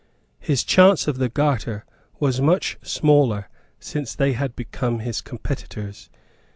His chance of the Garter was much smaller since they had become his competitors.